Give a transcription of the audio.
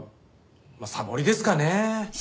まあサボりですかねえ。